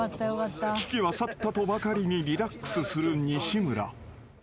［危機は去ったとばかりにリラックスする西村］